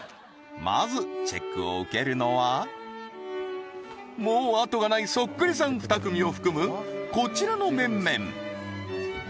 まずＣＨＥＣＫを受けるのはもうあとがないそっくりさん２組を含むこちらの面々